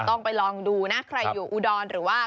ต้องไปลองดูนะใครอยู่อุดรหรือว่า